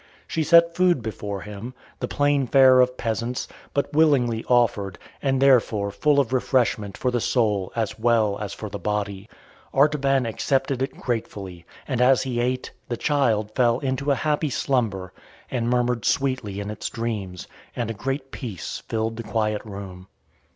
She set food before him, the plain fare of peasants, but willingly offered, and therefore full of refreshment for the soul as well as for the body. Artaban accepted it gratefully; and, as he ate, the child fell into a happy slumber, and murmured sweetly in its dreams, and a great peace filled the quiet room.